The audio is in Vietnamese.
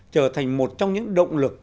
trở thành một trong những động lực